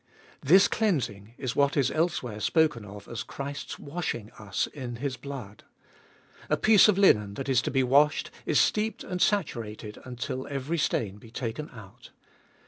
3. This cleansing is what is elsewhere spoken of as Christ's washing us in His blood. A piece of linen that is to be washed is steeped and saturated until every stain be taken out.